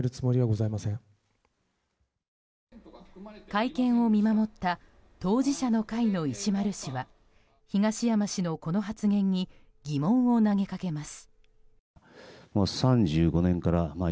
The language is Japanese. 会見を見守った当事者の会の石丸氏は東山氏のこの発言に疑問を投げかけます。